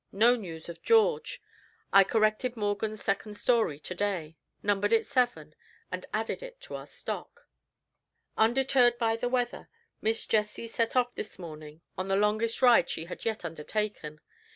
No news of George. I corrected Morgan's second story to day; numbered it Seven, and added it to our stock. Undeterred by the weather, Miss Jessie set off this morning on the longest ride she had yet undertaken.